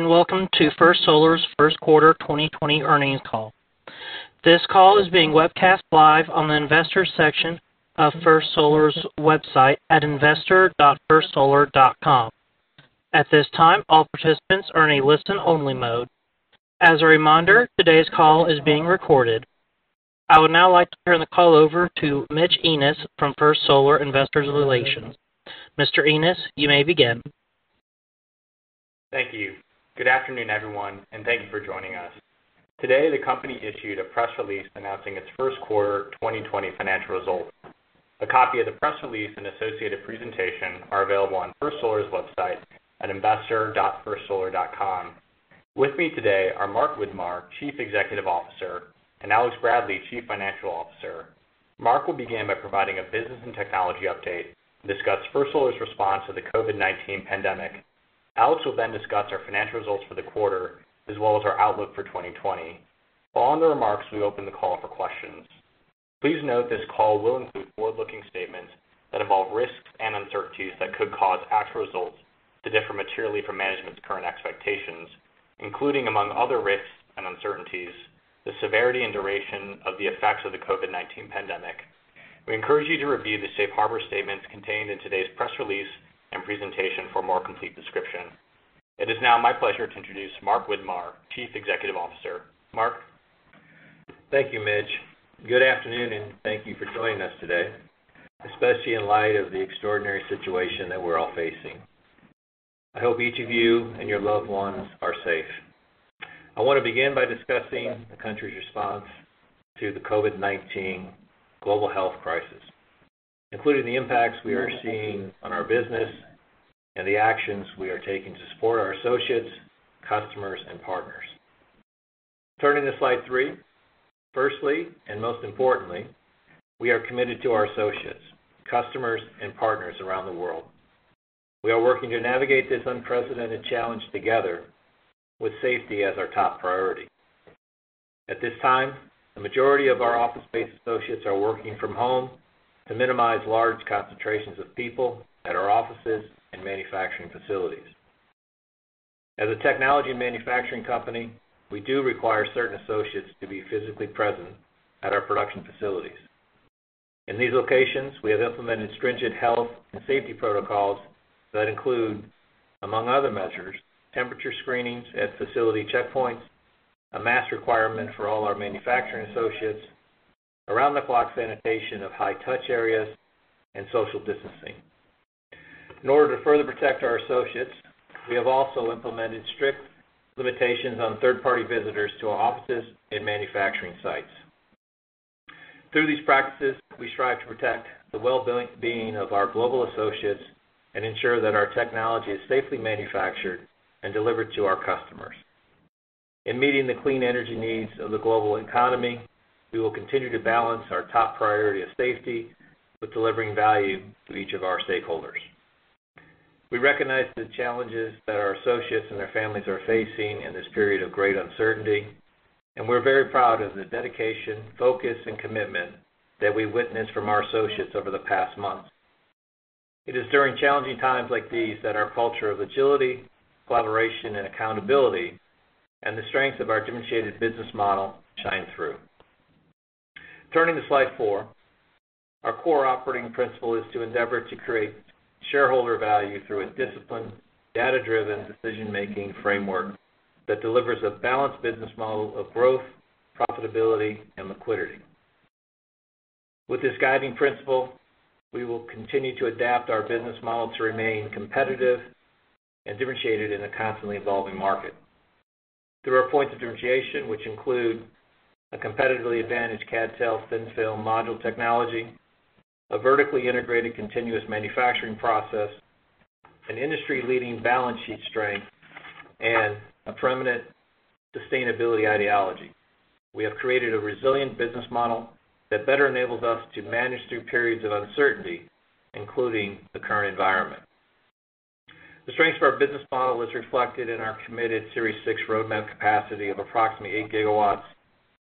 Welcome to First Solar's First Quarter 2020 Earnings Call. This call is being webcast live on the Investors section of First Solar's website at investor.firstsolar.com. At this time, all participants are in a listen-only mode. As a reminder, today's call is being recorded. I would now like to turn the call over to Mitch Ennis from First Solar Investor Relations. Mr. Ennis, you may begin. Thank you. Good afternoon, everyone, and thank you for joining us. Today, the company issued a press release announcing its first quarter 2020 financial results. A copy of the press release and associated presentation are available on First Solar's website at investor.firstsolar.com. With me today are Mark Widmar, Chief Executive Officer, and Alex Bradley, Chief Financial Officer. Mark will begin by providing a business and technology update and discuss First Solar's response to the COVID-19 pandemic. Alex will discuss our financial results for the quarter as well as our outlook for 2020. Following the remarks, we open the call for questions. Please note this call will include forward-looking statements that involve risks and uncertainties that could cause actual results to differ materially from management's current expectations, including, among other risks and uncertainties, the severity and duration of the effects of the COVID-19 pandemic. We encourage you to review the safe harbor statements contained in today's press release and presentation for a more complete description. It is now my pleasure to introduce Mark Widmar, Chief Executive Officer. Mark? Thank you, Mitch. Good afternoon, thank you for joining us today, especially in light of the extraordinary situation that we're all facing. I hope each of you and your loved ones are safe. I want to begin by discussing the country's response to the COVID-19 global health crisis, including the impacts we are seeing on our business and the actions we are taking to support our associates, customers, and partners. Turning to slide three. Firstly, most importantly, we are committed to our associates, customers, and partners around the world. We are working to navigate this unprecedented challenge together with safety as our top priority. At this time, the majority of our office-based associates are working from home to minimize large concentrations of people at our offices and manufacturing facilities. As a technology and manufacturing company, we do require certain associates to be physically present at our production facilities. In these locations, we have implemented stringent health and safety protocols that include, among other measures, temperature screenings at facility checkpoints, a mask requirement for all our manufacturing associates, around-the-clock sanitation of high-touch areas, and social distancing. In order to further protect our associates, we have also implemented strict limitations on third-party visitors to our offices and manufacturing sites. Through these practices, we strive to protect the well-being of our global associates and ensure that our technology is safely manufactured and delivered to our customers. In meeting the clean energy needs of the global economy, we will continue to balance our top priority of safety with delivering value to each of our stakeholders. We recognize the challenges that our associates and their families are facing in this period of great uncertainty, and we're very proud of the dedication, focus, and commitment that we've witnessed from our associates over the past month. It is during challenging times like these that our culture of agility, collaboration, and accountability and the strength of our differentiated business model shine through. Turning to slide four. Our core operating principle is to endeavor to create shareholder value through a disciplined, data-driven decision-making framework that delivers a balanced business model of growth, profitability, and liquidity. With this guiding principle, we will continue to adapt our business model to remain competitive and differentiated in a constantly evolving market. Through our points of differentiation, which include a competitively advantaged CadTel thin-film module technology, a vertically integrated continuous manufacturing process, an industry-leading balance sheet strength, and a permanent sustainability ideology, we have created a resilient business model that better enables us to manage through periods of uncertainty, including the current environment. The strength of our business model is reflected in our committed Series 6 roadmap capacity of approximately eight GW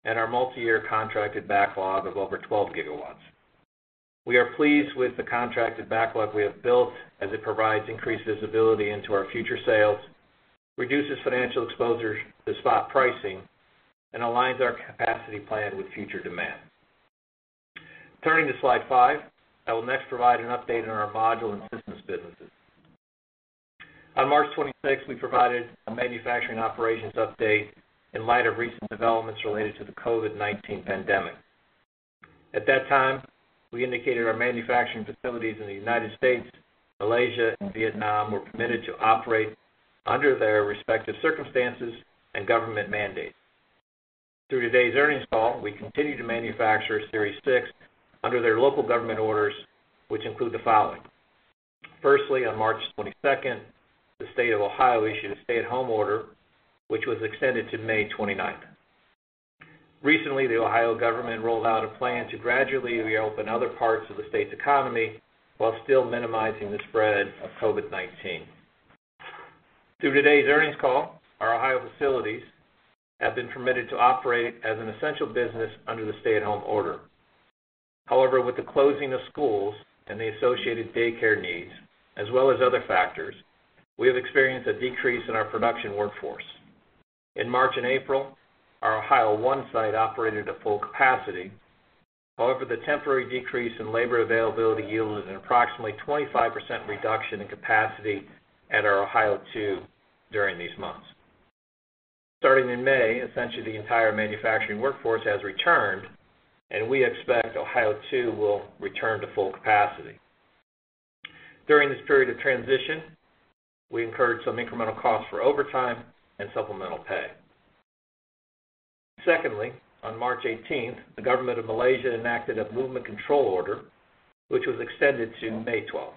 and our multi-year contracted backlog of over 12 GW. We are pleased with the contracted backlog we have built as it provides increased visibility into our future sales, reduces financial exposure to spot pricing, and aligns our capacity plan with future demand. Turning to slide five. I will next provide an update on our module and systems businesses. On March 26th, we provided a manufacturing operations update in light of recent developments related to the COVID-19 pandemic. At that time, we indicated our manufacturing facilities in the U.S., Malaysia, and Vietnam were permitted to operate under their respective circumstances and government mandates. Through today's earnings call, we continue to manufacture Series 6 under their local government orders, which include the following. Firstly, on March 22nd, the State of Ohio issued a stay-at-home order, which was extended to May 29th. Recently, the Ohio government rolled out a plan to gradually reopen other parts of the state's economy while still minimizing the spread of COVID-19. Through today's earnings call, our Ohio facilities have been permitted to operate as an essential business under the stay-at-home order. With the closing of schools and the associated daycare needs, as well as other factors, we have experienced a decrease in our production workforce. In March and April, our Ohio One site operated at full capacity. However, the temporary decrease in labor availability yielded an approximately 25% reduction in capacity at our Ohio Two during these months. Starting in May, essentially the entire manufacturing workforce has returned, and we expect Ohio Two will return to full capacity. During this period of transition, we incurred some incremental costs for overtime and supplemental pay. Secondly, on March 18th, the government of Malaysia enacted a movement control order, which was extended to May 12th,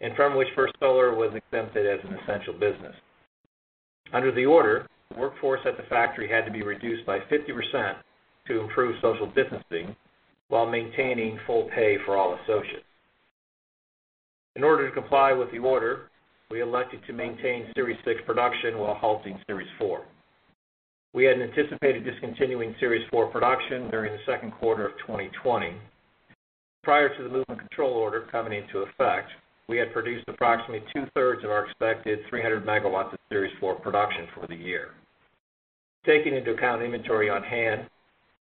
and from which First Solar was exempted as an essential business. Under the order, the workforce at the factory had to be reduced by 50% to improve social distancing while maintaining full pay for all associates. In order to comply with the order, we elected to maintain Series 6 production while halting Series 4. We had anticipated discontinuing Series 4 production during the second quarter of 2020. Prior to the movement control order coming into effect, we had produced approximately two-thirds of our expected 300 MW of Series 4 production for the year. Taking into account inventory on-hand,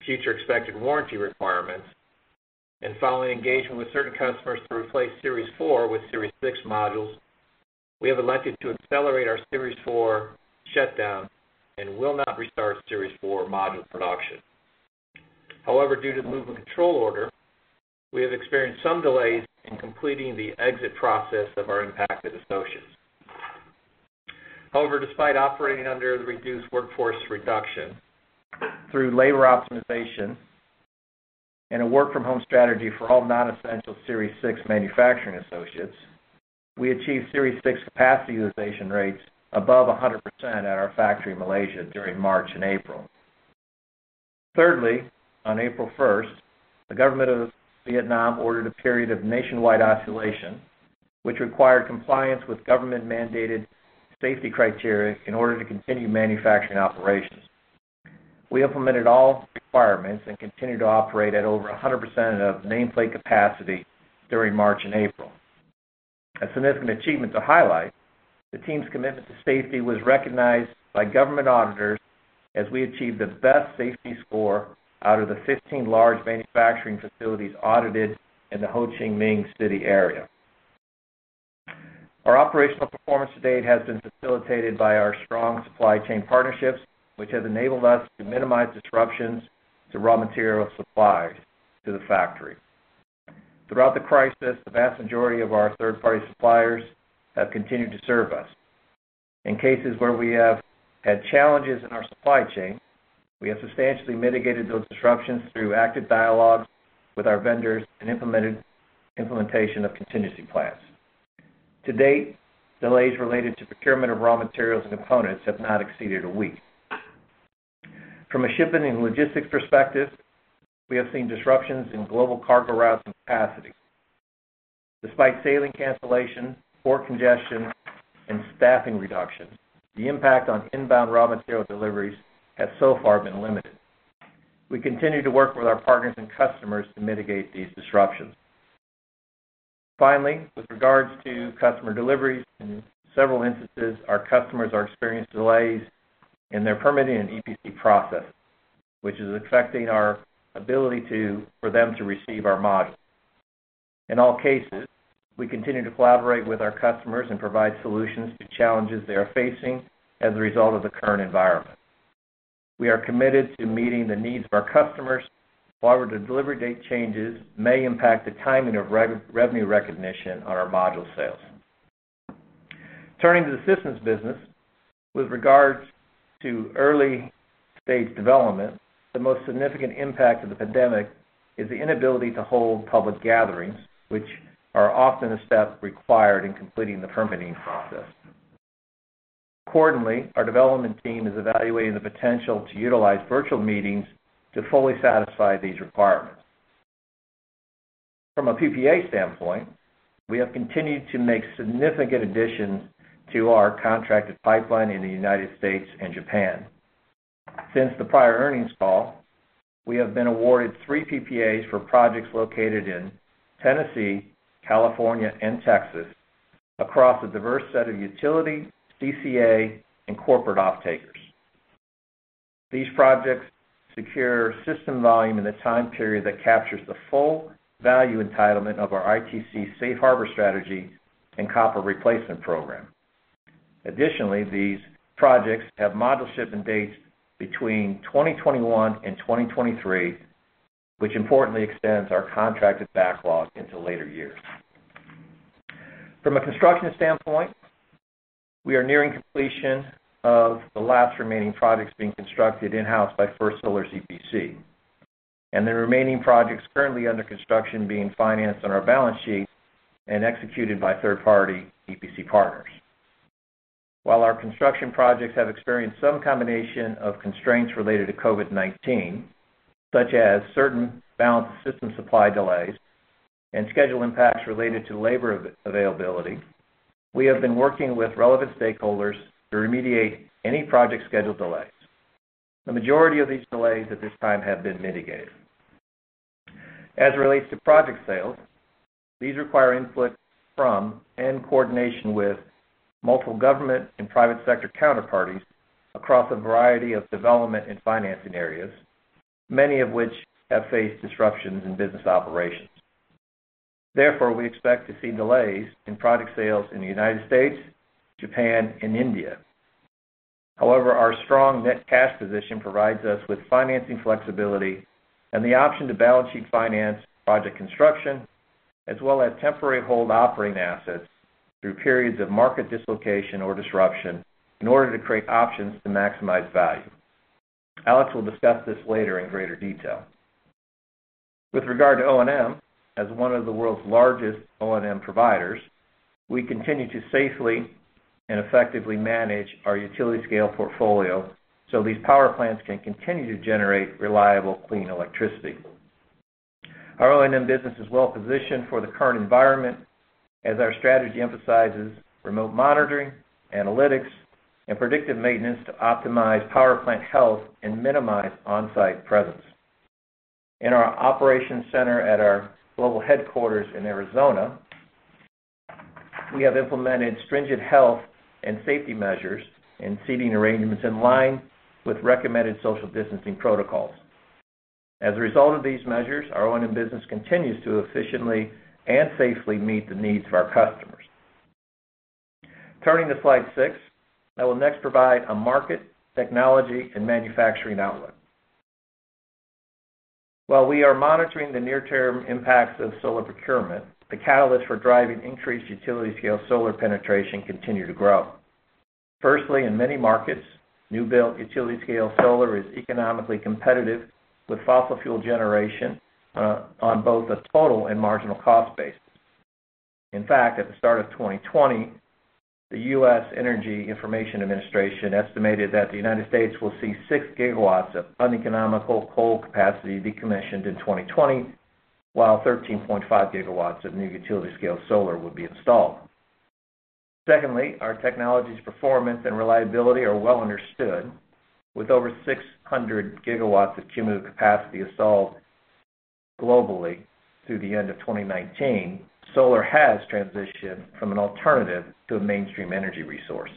future expected warranty requirements, and following engagement with certain customers to replace Series 4 with Series 6 modules, we have elected to accelerate our Series 4 shutdown and will not restart Series 4 module production. Due to the movement control order, we have experienced some delays in completing the exit process of our impacted associates. Despite operating under the reduced workforce reduction, through labor optimization and a work-from-home strategy for all non-essential Series 6 manufacturing associates, we achieved Series 6 capacity utilization rates above 100% at our factory in Malaysia during March and April. Thirdly, on April 1st, the government of Vietnam ordered a period of nationwide isolation, which required compliance with government-mandated safety criteria in order to continue manufacturing operations. We implemented all requirements and continue to operate at over 100% of nameplate capacity during March and April. A significant achievement to highlight, the team's commitment to safety was recognized by government auditors as we achieved the best safety score out of the 15 large manufacturing facilities audited in the Ho Chi Minh City area. Our operational performance to date has been facilitated by our strong supply chain partnerships, which have enabled us to minimize disruptions to raw material supplies to the factory. Throughout the crisis, the vast majority of our third-party suppliers have continued to serve us. In cases where we have had challenges in our supply chain, we have substantially mitigated those disruptions through active dialogue with our vendors and implementation of contingency plans. To date, delays related to procurement of raw materials and components have not exceeded a week. From a shipping and logistics perspective, we have seen disruptions in global cargo routes and capacity. Despite sailing cancellation, port congestion, and staffing reductions, the impact on inbound raw material deliveries has so far been limited. We continue to work with our partners and customers to mitigate these disruptions. Finally, with regards to customer deliveries, in several instances, our customers are experiencing delays in their permitting and EPC process, which is affecting our ability for them to receive our modules. In all cases, we continue to collaborate with our customers and provide solutions to challenges they are facing as a result of the current environment. We are committed to meeting the needs of our customers. However, the delivery date changes may impact the timing of revenue recognition on our module sales. Turning to the systems business, with regards to early-stage development, the most significant impact of the pandemic is the inability to hold public gatherings, which are often a step required in completing the permitting process. Accordingly, our development team is evaluating the potential to utilize virtual meetings to fully satisfy these requirements. From a PPA standpoint, we have continued to make significant additions to our contracted pipeline in the U.S. and Japan. Since the prior earnings call, we have been awarded three PPAs for projects located in Tennessee, California, and Texas across a diverse set of utility, CCA, and corporate off-takers. These projects secure system volume in a time period that captures the full value entitlement of our ITC safe harbor strategy and copper replacement program. Additionally, these projects have module shipment dates between 2021 and 2023, which importantly extends our contracted backlog into later years. From a construction standpoint, we are nearing completion of the last remaining projects being constructed in-house by First Solar EPC and the remaining projects currently under construction being financed on our balance sheet and executed by third-party EPC partners. While our construction projects have experienced some combination of constraints related to COVID-19, such as certain balance of system supply delays and schedule impacts related to labor availability, we have been working with relevant stakeholders to remediate any project schedule delays. The majority of these delays at this time have been mitigated. As it relates to project sales, these require input from and coordination with multiple government and private sector counterparties across a variety of development and financing areas, many of which have faced disruptions in business operations. We expect to see delays in product sales in the United States, Japan, and India. Our strong net cash position provides us with financing flexibility and the option to balance sheet finance project construction, as well as temporarily hold operating assets through periods of market dislocation or disruption in order to create options to maximize value. Alex will discuss this later in greater detail. With regard to O&M, as one of the world's largest O&M providers, we continue to safely and effectively manage our utility scale portfolio so these power plants can continue to generate reliable, clean electricity. Our O&M business is well-positioned for the current environment, as our strategy emphasizes remote monitoring, analytics, and predictive maintenance to optimize power plant health and minimize on-site presence. In our operations center at our global headquarters in Arizona, we have implemented stringent health and safety measures and seating arrangements in line with recommended social distancing protocols. As a result of these measures, our O&M business continues to efficiently and safely meet the needs of our customers. Turning to slide six, I will next provide a market, technology, and manufacturing outlook. While we are monitoring the near-term impacts of solar procurement, the catalysts for driving increased utility-scale solar penetration continue to grow. Firstly, in many markets, new-built utility-scale solar is economically competitive with fossil fuel generation, on both a total and marginal cost basis. In fact, at the start of 2020, the U.S. Energy Information Administration estimated that the United States will see 6 GW of uneconomical coal capacity decommissioned in 2020, while 13.5 GW of new utility-scale solar will be installed. Secondly, our technology's performance and reliability are well understood. With over 600 GW of cumulative capacity installed globally through the end of 2019, solar has transitioned from an alternative to a mainstream energy resource.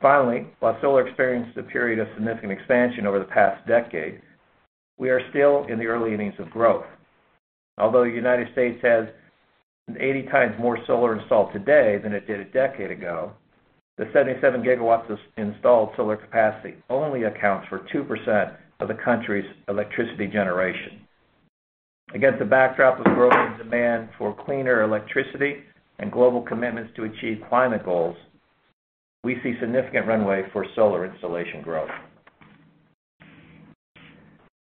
Finally, while solar experienced a period of significant expansion over the past decade, we are still in the early innings of growth. Although the United States has 80 times more solar installed today than it did a decade ago, the 77 GW of installed solar capacity only accounts for 2% of the country's electricity generation. Against a backdrop of growing demand for cleaner electricity and global commitments to achieve climate goals, we see significant runway for solar installation growth.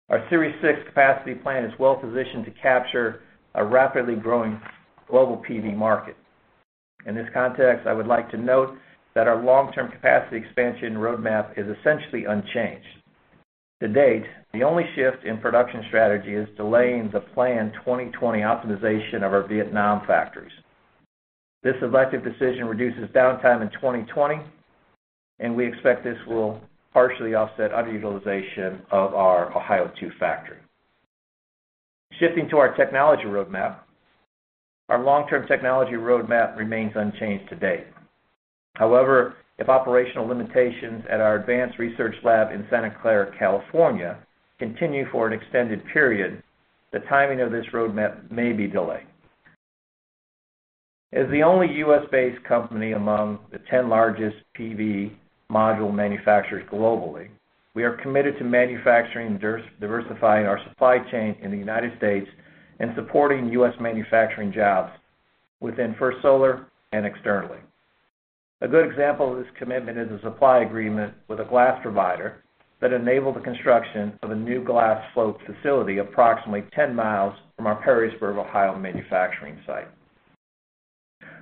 Our Series 6 capacity plan is well positioned to capture a rapidly growing global PV market. In this context, I would like to note that our long-term capacity expansion roadmap is essentially unchanged. To date, the only shift in production strategy is delaying the planned 2020 optimization of our Vietnam factories. This elected decision reduces downtime in 2020, and we expect this will partially offset underutilization of our Ohio Two factory. Shifting to our technology roadmap, our long-term technology roadmap remains unchanged to date. However, if operational limitations at our advanced research lab in Santa Clara, California, continue for an extended period, the timing of this roadmap may be delayed. As the only U.S.-based company among the 10 largest PV module manufacturers globally, we are committed to manufacturing and diversifying our supply chain in the United States and supporting U.S. manufacturing jobs within First Solar and externally. A good example of this commitment is a supply agreement with a glass provider that enabled the construction of a new glass float facility approximately 10 miles from our Perrysburg, Ohio, manufacturing site.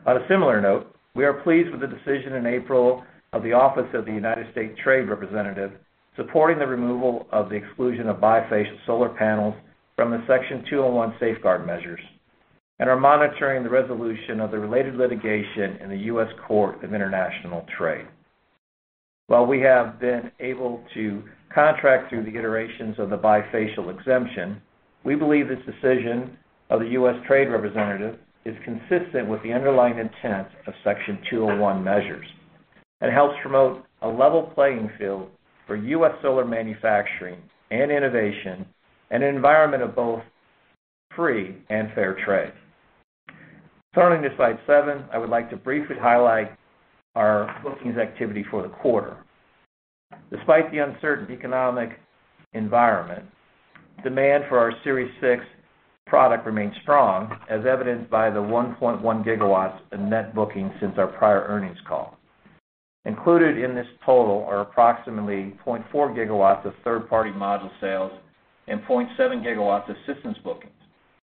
On a similar note, we are pleased with the decision in April of the Office of the United States Trade Representative supporting the removal of the exclusion of bifacial solar panels from the Section 201 safeguard measures and are monitoring the resolution of the related litigation in the U.S. Court of International Trade. While we have been able to contract through the iterations of the bifacial exemption, we believe this decision of the U.S. Trade Representative is consistent with the underlying intent of Section 201 measures and helps promote a level playing field for U.S. solar manufacturing and innovation and an environment of both free and fair trade. Turning to slide seven, I would like to briefly highlight our bookings activity for the quarter. Despite the uncertain economic environment, demand for our Series 6 product remains strong, as evidenced by the 1.1 GW in net bookings since our prior earnings call. Included in this total are approximately 0.4 GW of third-party module sales and 0.7 GW of systems bookings.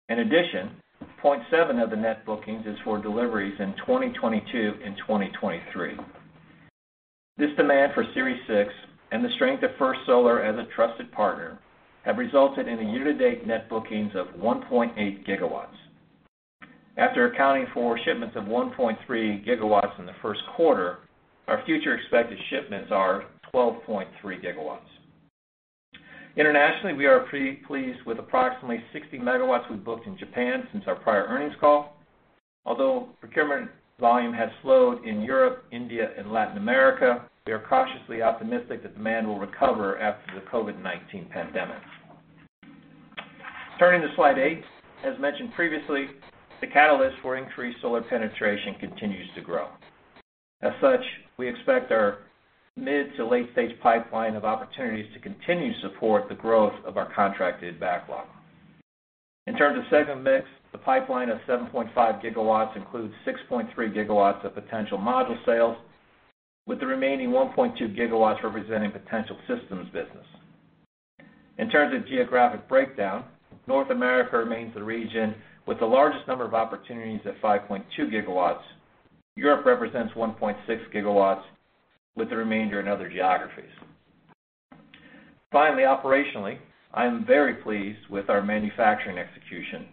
In addition, 0.7 of the net bookings is for deliveries in 2022 and 2023. This demand for Series 6 and the strength of First Solar as a trusted partner have resulted in year-to-date net bookings of 1.8 GW. After accounting for shipments of 1.3 GW in the first quarter, our future expected shipments are 12.3 GW. Internationally, we are pretty pleased with approximately 60 MW we've booked in Japan since our prior earnings call. Although procurement volume has slowed in Europe, India, and Latin America, we are cautiously optimistic that demand will recover after the COVID-19 pandemic. Turning to slide eight. As mentioned previously, the catalyst for increased solar penetration continues to grow. As such, we expect our mid to late-stage pipeline of opportunities to continue to support the growth of our contracted backlog. In terms of segment mix, the pipeline of 7.5 GW includes 6.3 GW of potential module sales, with the remaining 1.2 GW representing potential systems business. In terms of geographic breakdown, North America remains the region with the largest number of opportunities at 5.2 GW. Europe represents 1.6 GW, with the remainder in other geographies. Finally, operationally, I am very pleased with our manufacturing execution,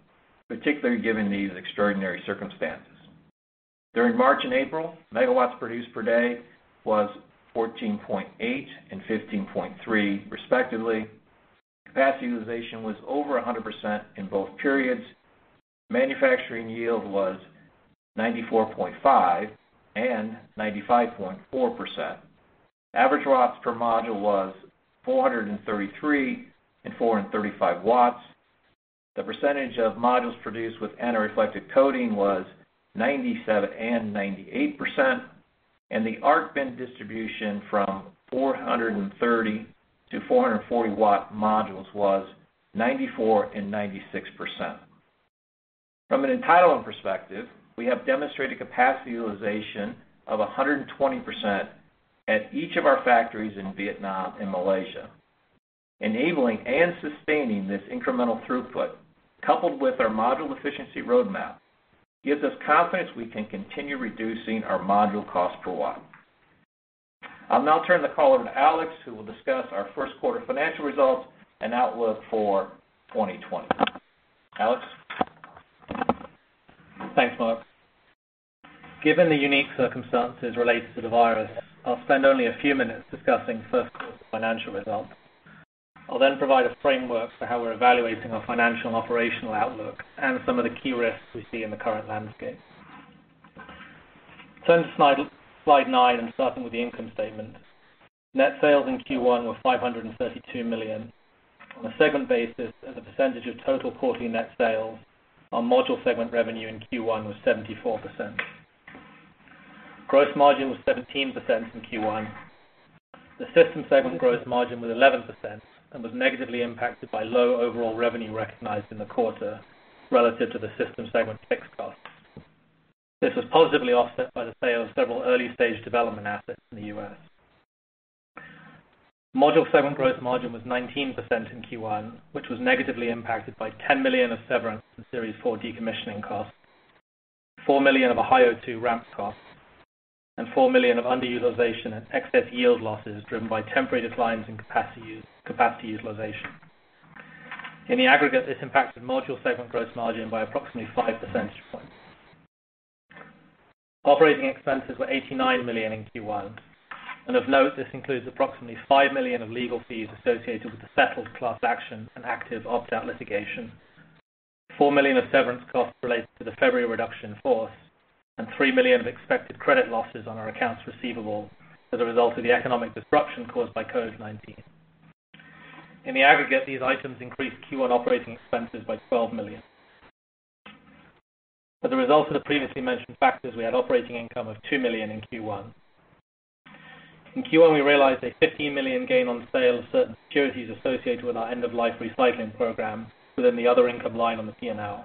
particularly given these extraordinary circumstances. During March and April, megawatts produced per day was 14.8 and 15.3 respectively. Capacity utilization was over 100% in both periods. Manufacturing yield was 94.5% and 95.4%. Average watts per module was 433 and 435 watts. The percentage of modules produced with anti-reflective coating was 97% and 98%, and the ARC bin distribution from 430-440 watt modules was 94% and 96%. From an entitlement perspective, we have demonstrated capacity utilization of 120% at each of our factories in Vietnam and Malaysia. Enabling and sustaining this incremental throughput, coupled with our module efficiency roadmap, gives us confidence we can continue reducing our module cost per watt. I'll now turn the call over to Alex, who will discuss our first quarter financial results and outlook for 2020. Alex? Thanks, Mark. Given the unique circumstances related to the virus, I'll spend only a few minutes discussing first quarter financial results. I'll provide a framework for how we're evaluating our financial and operational outlook and some of the key risks we see in the current landscape. Turning to slide nine and starting with the income statement. Net sales in Q1 were $532 million. On a segment basis as a percentage of total quarterly net sales, our module segment revenue in Q1 was 74%. Gross margin was 17% in Q1. The system segment gross margin was 11% and was negatively impacted by low overall revenue recognized in the quarter relative to the system segment fixed costs. This was positively offset by the sale of several early-stage development assets in the U.S. Module segment gross margin was 19% in Q1, which was negatively impacted by $10 million of severance from Series 4 decommissioning costs, $4 million of Ohio Two ramp costs, and $4 million of underutilization and excess yield losses driven by temporary declines in capacity utilization. In the aggregate, this impacted module segment gross margin by approximately five percentage points. Operating expenses were $89 million in Q1. Of note, this includes approximately $5 million of legal fees associated with the settled class action and active opt-out litigation, $4 million of severance costs related to the February reduction force, and $3 million of expected credit losses on our accounts receivable as a result of the economic disruption caused by COVID-19. In the aggregate, these items increased Q1 operating expenses by $12 million. As a result of the previously mentioned factors, we had operating income of $2 million in Q1. In Q1, we realized a $15 million gain on sale of certain securities associated with our end-of-life recycling program within the other income line on the P&L.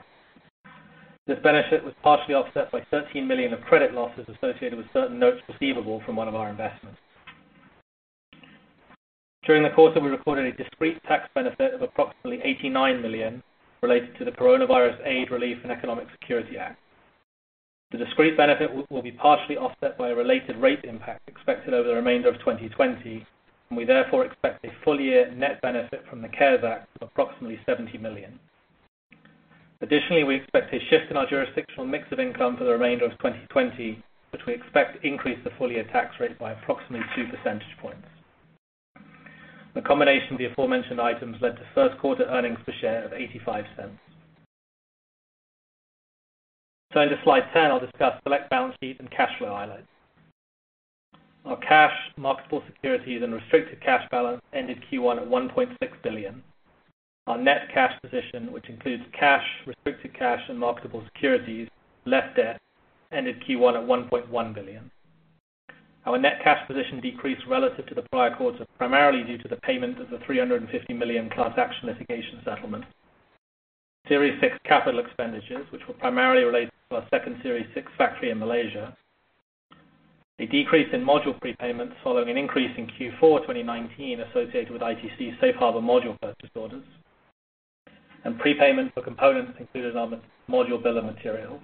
This benefit was partially offset by $13 million of credit losses associated with certain notes receivable from one of our investments. During the quarter, we recorded a discrete tax benefit of approximately $89 million related to the Coronavirus Aid, Relief, and Economic Security Act. The discrete benefit will be partially offset by a related rate impact expected over the remainder of 2020, and we therefore expect a full-year net benefit from the CARES Act of approximately $70 million. Additionally, we expect a shift in our jurisdictional mix of income for the remainder of 2020, which we expect to increase the full-year tax rate by approximately two percentage points. The combination of the aforementioned items led to first quarter earnings per share of $0.85. Turning to slide 10, I'll discuss select balance sheet and cash flow highlights. Our cash, marketable securities, and restricted cash balance ended Q1 at $1.6 billion. Our net cash position, which includes cash, restricted cash, and marketable securities, less debt, ended Q1 at $1.1 billion. Our net cash position decreased relative to the prior quarter primarily due to the payment of the $350 million class action litigation settlement, Series 6 capital expenditures, which were primarily related to our second Series 6 factory in Malaysia, a decrease in module prepayments following an increase in Q4 2019 associated with ITC safe harbor module purchase orders, and prepayment for components included on the module bill of materials.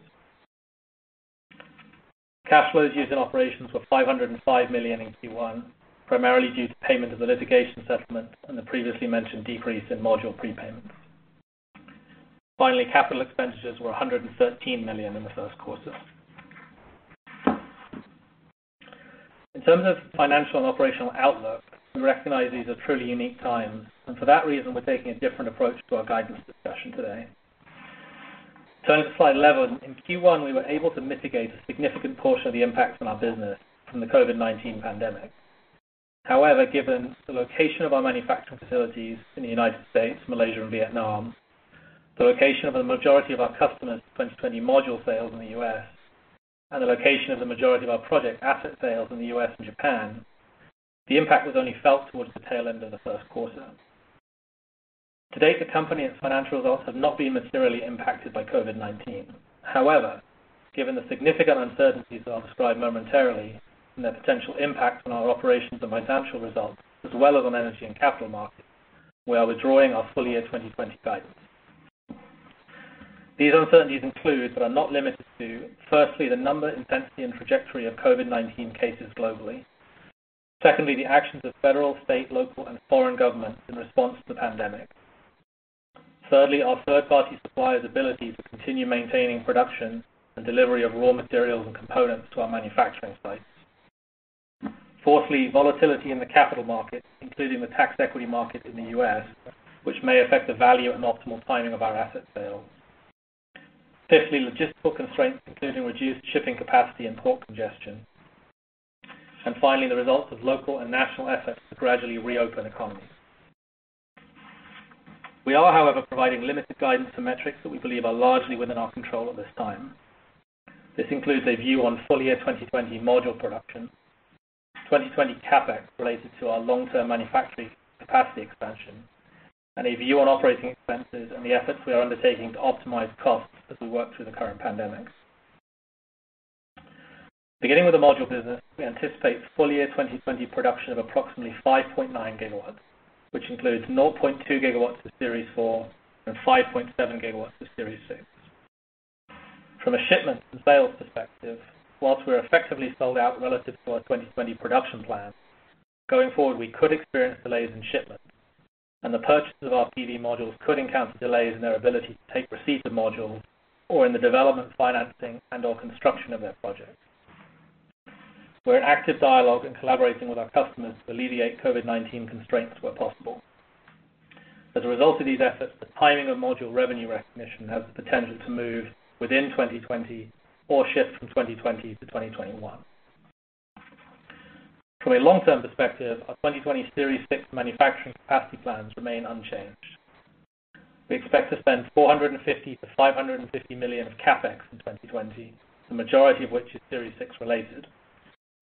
Cash flows used in operations were $505 million in Q1, primarily due to payment of the litigation settlement and the previously mentioned decrease in module prepayments. Finally, capital expenditures were $113 million in the first quarter. In terms of financial and operational outlook, we recognize these are truly unique times, and for that reason, we're taking a different approach to our guidance discussion today. Turning to slide 11. In Q1, we were able to mitigate a significant portion of the impact on our business from the COVID-19 pandemic. However, given the location of our manufacturing facilities in the United States, Malaysia, and Vietnam, the location of the majority of our customers' 2020 module sales in the U.S., and the location of the majority of our project asset sales in the U.S. and Japan, the impact was only felt towards the tail end of the first quarter. To date, the company and its financial results have not been materially impacted by COVID-19. However, given the significant uncertainties that I'll describe momentarily and their potential impact on our operations and financial results, as well as on energy and capital markets, we are withdrawing our full year 2020 guidance. These uncertainties include, but are not limited to, firstly, the number, intensity, and trajectory of COVID-19 cases globally. Secondly, the actions of federal, state, local, and foreign governments in response to the pandemic. Thirdly, our third-party suppliers' ability to continue maintaining production and delivery of raw materials and components to our manufacturing sites. Fourthly, volatility in the capital markets, including the tax equity market in the U.S., which may affect the value and optimal timing of our asset sales. Fifthly, logistical constraints, including reduced shipping capacity and port congestion. Finally, the results of local and national efforts to gradually reopen economies. We are, however, providing limited guidance for metrics that we believe are largely within our control at this time. This includes a view on full-year 2020 module production, 2020 CapEx related to our long-term manufacturing capacity expansion, and a view on operating expenses and the efforts we are undertaking to optimize costs as we work through the current pandemic. Beginning with the module business, we anticipate full-year 2020 production of approximately 5.9 GW, which includes 0.2 GW of Series 4 and 5.7 GW of Series 6. From a shipment and sales perspective, whilst we're effectively sold out relative to our 2020 production plan, going forward, we could experience delays in shipments and the purchases of our PV modules could encounter delays in their ability to take receipt of modules or in the development, financing, and/or construction of their projects. We're in active dialogue and collaborating with our customers to alleviate COVID-19 constraints where possible. As a result of these efforts, the timing of module revenue recognition has the potential to move within 2020 or shift from 2020 to 2021. From a long-term perspective, our 2020 Series 6 manufacturing capacity plans remain unchanged. We expect to spend $450 million-$550 million of CapEx in 2020, the majority of which is Series 6 related,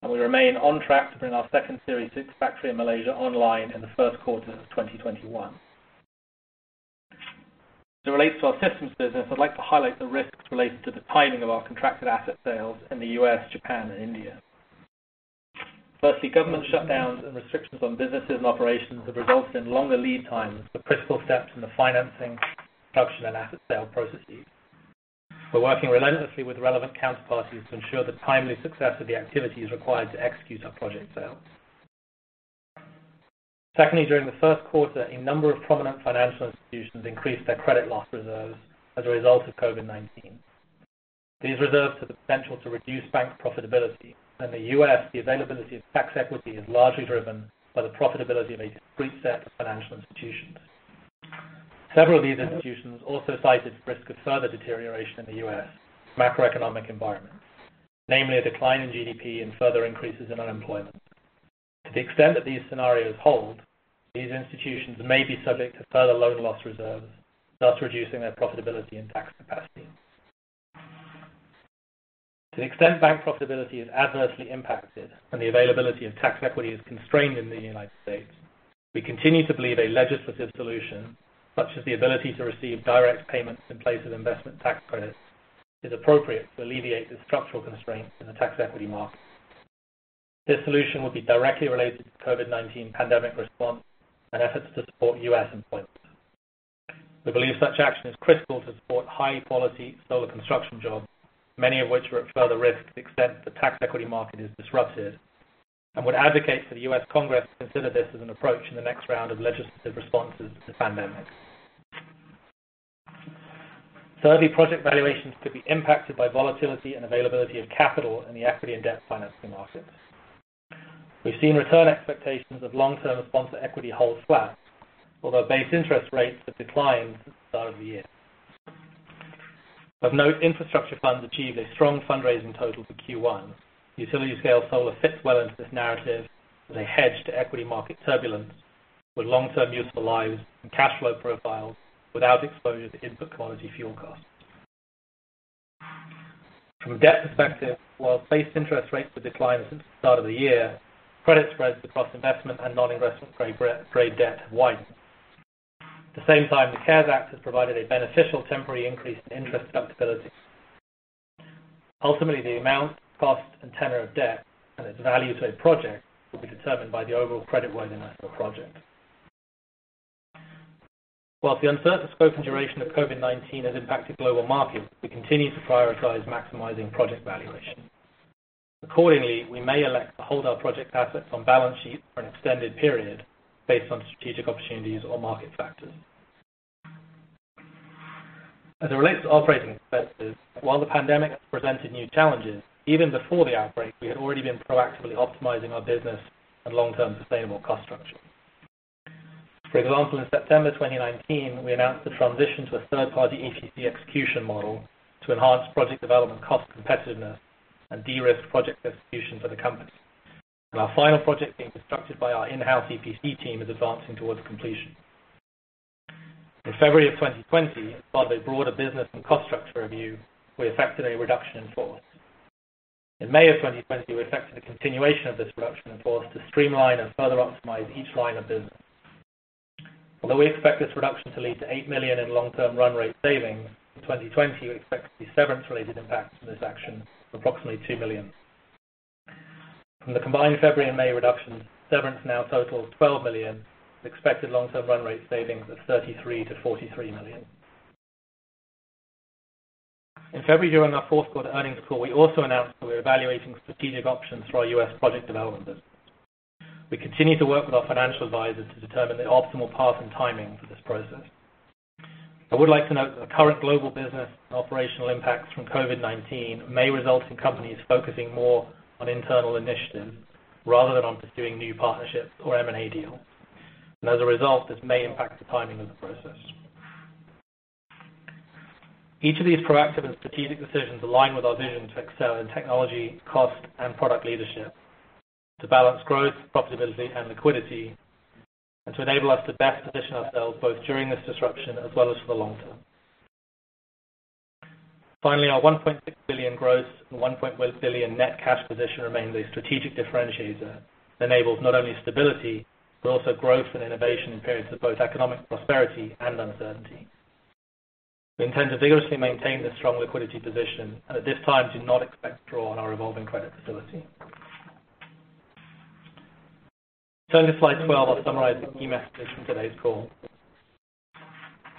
and we remain on track to bring our second Series 6 factory in Malaysia online in the first quarter of 2021. As it relates to our systems business, I'd like to highlight the risks related to the timing of our contracted asset sales in the U.S., Japan, and India. Firstly, government shutdowns and restrictions on businesses and operations have resulted in longer lead times for critical steps in the financing, production, and asset sale processes. We're working relentlessly with relevant counterparties to ensure the timely success of the activities required to execute our project sales. Secondly, during the first quarter, a number of prominent financial institutions increased their credit loss reserves as a result of COVID-19. These reserves have the potential to reduce bank profitability. In the U.S., the availability of tax equity is largely driven by the profitability of a discrete set of financial institutions. Several of these institutions also cited risk of further deterioration in the U.S. macroeconomic environment, namely a decline in GDP and further increases in unemployment. To the extent that these scenarios hold, these institutions may be subject to further loan loss reserves, thus reducing their profitability and tax capacity. To the extent bank profitability is adversely impacted and the availability of tax equity is constrained in the U.S., we continue to believe a legislative solution, such as the ability to receive direct payments in place of investment tax credits, is appropriate to alleviate the structural constraints in the tax equity market. This solution would be directly related to COVID-19 pandemic response and efforts to support U.S. employment. We believe such action is critical to support high-quality solar construction jobs, many of which are at further risk to the extent the tax equity market is disrupted, and would advocate for the U.S. Congress to consider this as an approach in the next round of legislative responses to the pandemic. Thirdly, project valuations could be impacted by volatility and availability of capital in the equity and debt financing markets. We've seen return expectations of long-term sponsor equity hold flat, although base interest rates have declined since the start of the year. Of note, infrastructure funds achieved a strong fundraising total for Q1. Utility-scale solar fits well into this narrative as a hedge to equity market turbulence with long-term useful lives and cash flow profiles without exposure to input commodity fuel costs. From a debt perspective, while base interest rates have declined since the start of the year, credit spreads across investment and non-investment grade debt have widened. At the same time, the CARES Act has provided a beneficial temporary increase in interest deductibility. Ultimately, the amount, cost, and tenor of debt and its value to a project will be determined by the overall creditworthiness of a project. Whilst the uncertain scope and duration of COVID-19 has impacted global markets, we continue to prioritize maximizing project valuation. Accordingly, we may elect to hold our project assets on balance sheet for an extended period based on strategic opportunities or market factors. As it relates to operating expenses, while the pandemic has presented new challenges, even before the outbreak, we had already been proactively optimizing our business and long-term sustainable cost structure. For example, in September 2019, we announced the transition to a third-party EPC execution model to enhance project development cost competitiveness and de-risk project execution for the company. Our final project being constructed by our in-house EPC team is advancing towards completion. In February of 2020, as part of a broader business and cost structure review, we effected a reduction in force. In May of 2020, we effected a continuation of this reduction in force to streamline and further optimize each line of business. Although we expect this reduction to lead to $8 million in long-term run rate savings, in 2020, we expect to see severance related impacts from this action of approximately $2 million. From the combined February and May reductions, severance now totals $12 million, with expected long-term run rate savings of $33 million-$43 million. In February, during our fourth quarter earnings call, we also announced that we're evaluating strategic options for our U.S. project development business. We continue to work with our financial advisors to determine the optimal path and timing for this process. I would like to note that the current global business and operational impacts from COVID-19 may result in companies focusing more on internal initiatives rather than on pursuing new partnerships or M&A deals. As a result, this may impact the timing of the process. Each of these proactive and strategic decisions align with our vision to excel in technology, cost, and product leadership, to balance growth, profitability, and liquidity, and to enable us to best position ourselves both during this disruption as well as for the long term. Finally, our $1.6 billion gross and $1.1 billion net cash position remains a strategic differentiator that enables not only stability, but also growth and innovation in periods of both economic prosperity and uncertainty. We intend to vigorously maintain this strong liquidity position, and at this time, do not expect to draw on our revolving credit facility. Turning to slide 12, I'll summarize the key messages from today's call.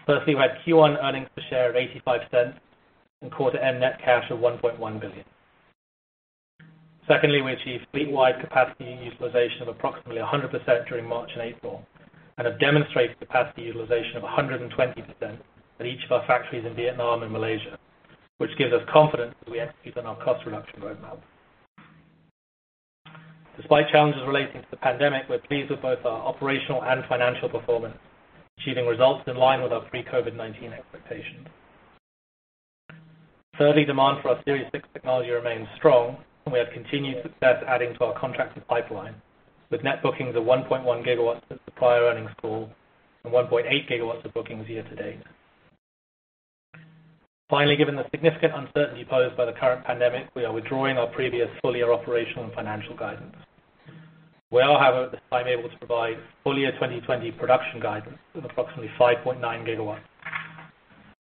Firstly, we had Q1 earnings per share of $0.85 and quarter end net cash of $1.1 billion. Secondly, we achieved fleet-wide capacity utilization of approximately 100% during March and April and have demonstrated capacity utilization of 120% at each of our factories in Vietnam and Malaysia, which gives us confidence that we have execution on our cost reduction roadmap. Despite challenges relating to the pandemic, we're pleased with both our operational and financial performance, achieving results in line with our pre-COVID-19 expectations. Thirdly, demand for our Series 6 technology remains strong, and we have continued success adding to our contracted pipeline with net bookings of 1.1 GW at the prior earnings call and 1.8 GW of bookings year to date. Given the significant uncertainty posed by the current pandemic, we are withdrawing our previous full year operational and financial guidance. We are, however, at this time able to provide full year 2020 production guidance of approximately 5.9 GW,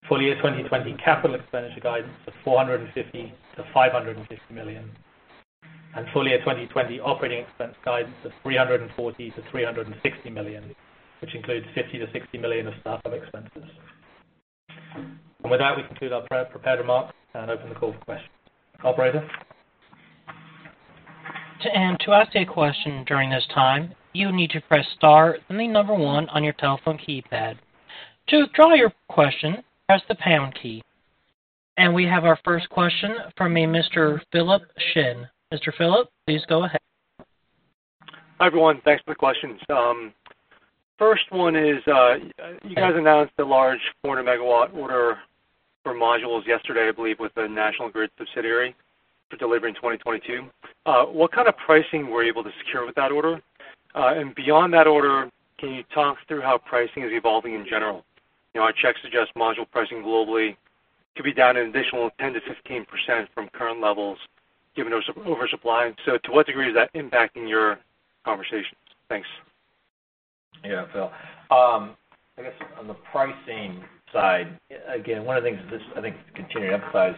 full year 2020 CapEx guidance of $450 million-$550 million, and full year 2020 OpEx guidance of $340 million-$360 million, which includes $50 million-$60 million of startup expenses. With that, we conclude our prepared remarks and open the call for questions. Operator? To ask a question during this time, you need to press star, then the number one on your telephone keypad. To withdraw your question, press the pound key. We have our first question from a Mr. Philip Shen. Mr. Philip, please go ahead. Hi, everyone. Thanks for the questions. First one is, you guys announced the large 400 MW order for modules yesterday, I believe, with the National Grid subsidiary for delivery in 2022. What kind of pricing were you able to secure with that order? Beyond that order, can you talk through how pricing is evolving in general? Our checks suggest module pricing globally could be down an additional 10%-15% from current levels given the oversupply. To what degree is that impacting your conversations? Thanks. Yeah, Phil. I guess on the pricing side, again, one of the things I think to continue to emphasize,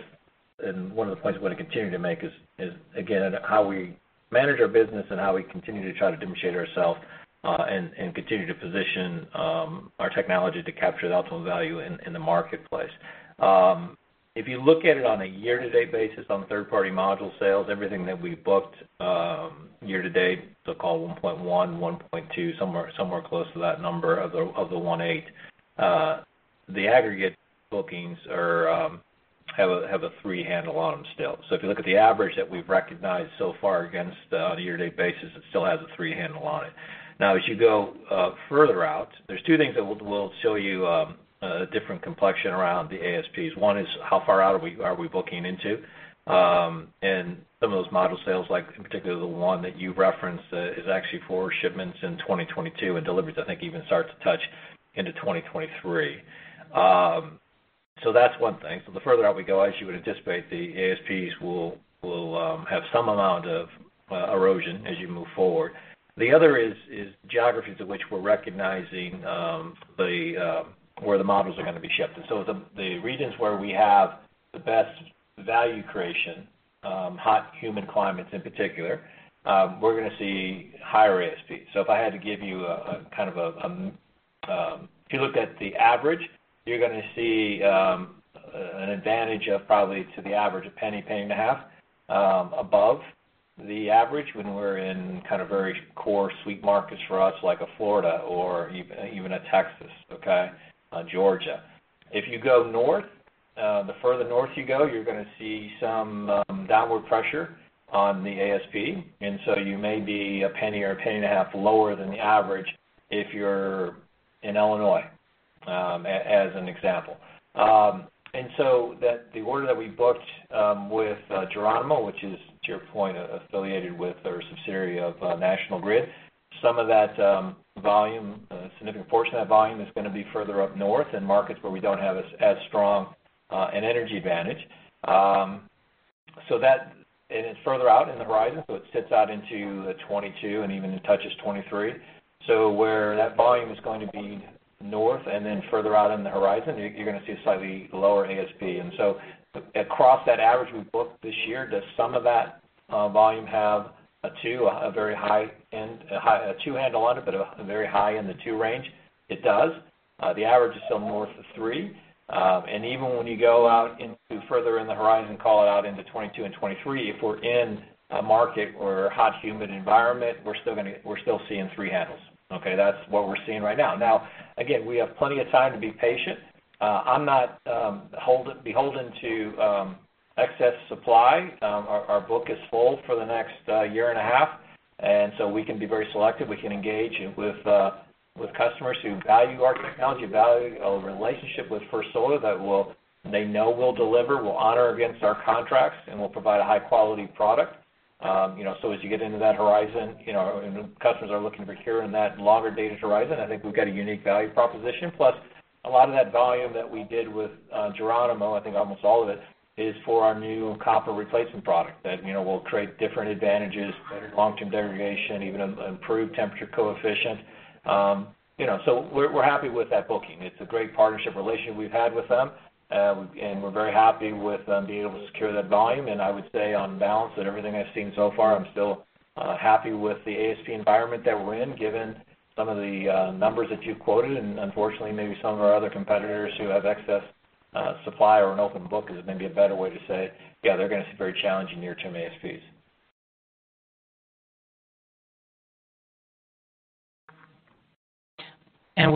and one of the points I want to continue to make is, again, how we manage our business and how we continue to try to differentiate ourselves, and continue to position our technology to capture the optimal value in the marketplace. If you look at it on a year-to-date basis on third party module sales, everything that we booked year-to-date, so call it 1.1.2, somewhere close to that number of the 1.8, the aggregate bookings have a three handle on them still. If you look at the average that we've recognized so far against on a year-to-date basis, it still has a three handle on it. As you go further out, there's two things that will show you a different complexion around the ASPs. One is how far out are we booking into. Some of those module sales, like in particular the one that you referenced, is actually for shipments in 2022 and deliveries I think even start to touch into 2023. That's one thing. The further out we go, as you would anticipate, the ASPs will Have some amount of erosion as you move forward. The other is geographies in which we're recognizing where the models are going to be shifted. The regions where we have the best value creation, hot humid climates in particular, we're going to see higher ASPs. If I had to give you a kind of if you looked at the average, you're going to see an advantage of probably to the average, $0.01, $0.015 above the average when we're in very core sweet markets for us, like a Florida or even a Texas, okay. Georgia. If you go north, the further north you go, you're going to see some downward pressure on the ASP. You may be $0.01 or $0.015 lower than the average if you're in Illinois, as an example. The order that we booked with Geronimo, which is to your point, affiliated with or a subsidiary of National Grid, some of that volume, a significant portion of that volume is going to be further up north in markets where we don't have as strong an energy advantage. It's further out in the horizon, so it sits out into 2022 and even touches 2023. Where that volume is going to be north and then further out in the horizon, you're going to see a slightly lower ASP. Across that average we booked this year, does some of that volume have a two, a very high end, a two handle on it, but a very high in the two range? It does. The average is still north of three. Even when you go out into further in the horizon, call it out into 2022 and 2023, if we're in a market or a hot, humid environment, we're still seeing three handles. Okay. That's what we're seeing right now. Again, we have plenty of time to be patient. I'm not beholden to excess supply. Our book is full for the next year and a half, we can be very selective. We can engage with customers who value our technology, value a relationship with First Solar that they know will deliver, we'll honor against our contracts, and we'll provide a high-quality product. As you get into that horizon, and customers are looking to procure in that longer dated horizon, I think we've got a unique value proposition. A lot of that volume that we did with Geronimo, I think almost all of it, is for our new Copper Replacement product that will create different advantages, better long-term degradation, even improved temperature coefficient. We're happy with that booking. It's a great partnership relationship we've had with them. We're very happy with being able to secure that volume. I would say on balance, that everything I've seen so far, I'm still happy with the ASP environment that we're in, given some of the numbers that you've quoted. Unfortunately, maybe some of our other competitors who have excess supply or an open book is maybe a better way to say, yeah, they're going to see very challenging near-term ASPs.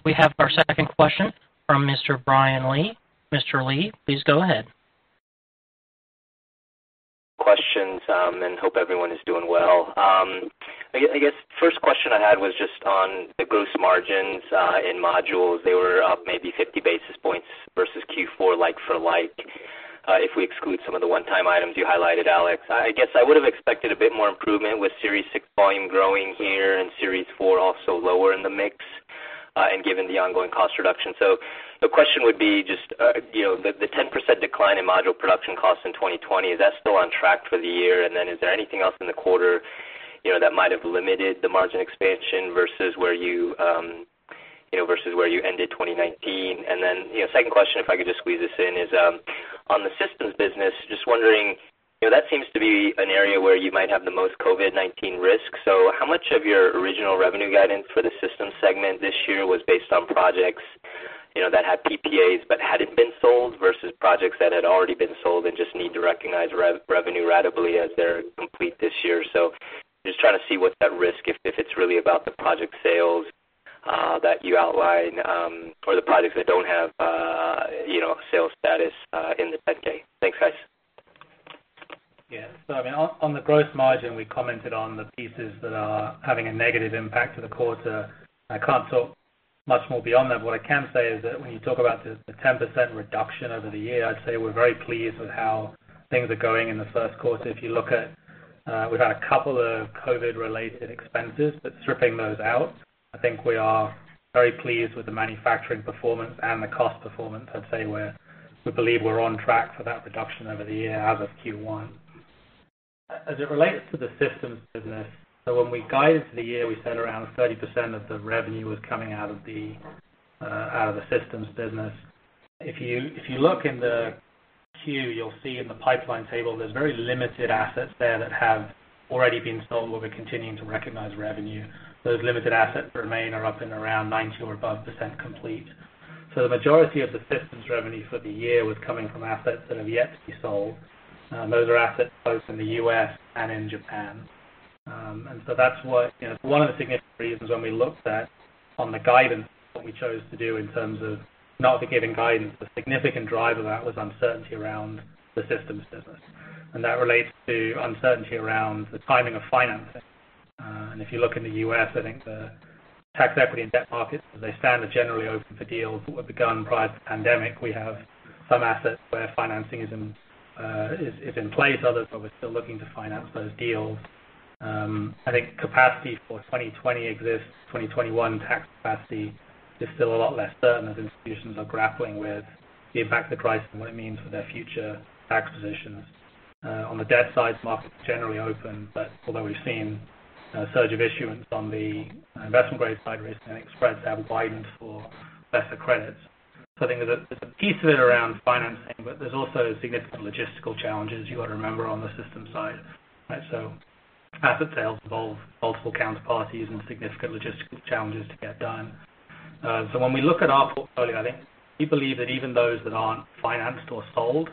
We have our second question from Mr. Brian Lee. Mr. Lee, please go ahead. Questions. Hope everyone is doing well. First question I had was just on the gross margins in modules. They were up maybe 50 basis points versus Q4 like for like. If we exclude some of the one-time items you highlighted, Alex, I guess I would have expected a bit more improvement with Series 6 volume growing here and Series 4 also lower in the mix, given the ongoing cost reduction. The question would be just the 10% decline in module production costs in 2020, is that still on track for the year? Is there anything else in the quarter that might have limited the margin expansion versus where you ended 2019? Second question, if I could just squeeze this in, is on the systems business, just wondering, that seems to be an area where you might have the most COVID-19 risk. How much of your original revenue guidance for the systems segment this year was based on projects that had PPAs but hadn't been sold, versus projects that had already been sold and just need to recognize revenue ratably as they're complete this year? Just trying to see what's at risk if it's really about the project sales that you outlined or the projects that don't have sales status in the 10-K. Thanks, guys. I mean, on the gross margin, we commented on the pieces that are having a negative impact to the quarter. I can't talk much more beyond that. What I can say is that when you talk about the 10% reduction over the year, I'd say we're very pleased with how things are going in the first quarter. If you look at, we've had a couple of COVID-related expenses, but stripping those out, I think we are very pleased with the manufacturing performance and the cost performance. I'd say we believe we're on track for that reduction over the year as of Q1. As it relates to the systems business, when we guided for the year, we said around 30% of the revenue was coming out of the systems business. If you look in the Q, you'll see in the pipeline table, there's very limited assets there that have already been sold where we're continuing to recognize revenue. Those limited assets remain are up and around 90% or above complete. The majority of the systems revenue for the year was coming from assets that have yet to be sold. Those are assets both in the U.S. and in Japan. That's one of the significant reasons when we looked at on the guidance what we chose to do in terms of not giving guidance. The significant driver of that was uncertainty around the systems business. That relates to uncertainty around the timing of financing. If you look in the U.S., I think the tax equity and debt markets as they stand are generally open for deals that were begun prior to the pandemic. We have some assets where financing is in place, others where we're still looking to finance those deals. I think capacity for 2020 exists. 2021 tax capacity is still a lot less certain as institutions are grappling with the impact of the crisis and what it means for their future tax positions. On the debt side, markets are generally open. Although we've seen a surge of issuance on the investment-grade side recently, and spreads have widened for lesser credits. I think there's a piece of it around financing, but there's also significant logistical challenges you got to remember on the system side. Right, asset sales involve multiple counterparties and significant logistical challenges to get done. When we look at our portfolio, I think we believe that even those that aren't financed or sold